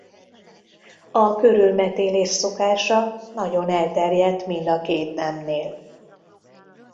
A körülmetélés szokása nagyon elterjedt mind a két nemnél.